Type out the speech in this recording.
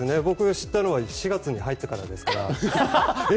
僕が知ったのは４月に入ってからですから。